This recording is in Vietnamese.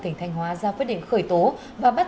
tỉnh thanh hóa ra quyết định khởi tố và bắt